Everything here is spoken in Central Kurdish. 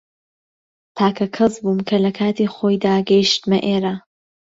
تاکە کەس بووم کە لە کاتی خۆیدا گەیشتمە ئێرە.